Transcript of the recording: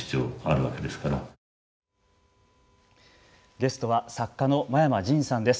ゲストは作家の真山仁さんです。